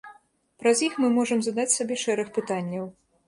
Праз іх мы можам задаць сабе шэраг пытанняў.